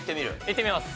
いってみます。